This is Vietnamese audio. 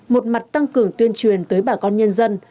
một mặt tăng cường tuyên truyền tới bà con nhân dân